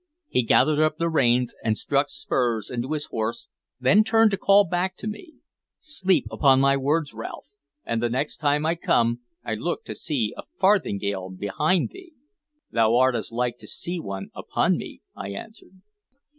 He gathered up the reins and struck spurs into his horse, then turned to call back to me: "Sleep upon my words, Ralph, and the next time I come I look to see a farthingale behind thee!" "Thou art as like to see one upon me," I answered.